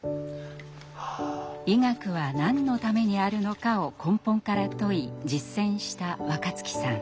「医学は何のためにあるのか」を根本から問い実践した若月さん。